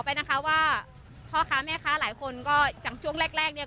ไปนะคะว่าพ่อค้าแม่ค้าหลายคนก็อย่างช่วงแรกแรกเนี่ย